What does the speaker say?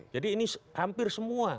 jadi ini hampir semua